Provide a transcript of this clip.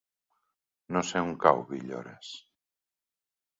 No sé on cau Villores.